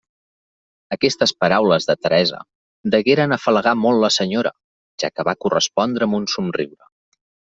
Aquestes paraules de Teresa degueren afalagar molt la senyora, ja que va correspondre amb un somriure.